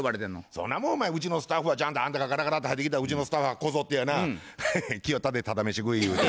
そんなもんお前うちのスタッフはちゃんとあんたがガラガラって入ってきたらうちのスタッフはこぞってやな「来よったでタダ飯食い」言うて。